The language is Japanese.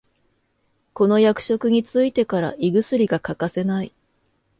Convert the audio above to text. この役職についてから胃薬が欠かせない